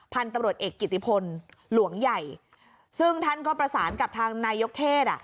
พันธุ์ตำรวจเอกกิติพลหลวงใหญ่ซึ่งท่านก็ประสานกับทางนายกเทศอ่ะ